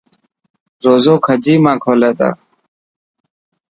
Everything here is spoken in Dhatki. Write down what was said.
روز کجي مان کولي تا.